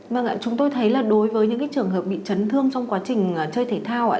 vâng ạ chúng tôi thấy là đối với những trường hợp bị chấn thương trong quá trình chơi thể thao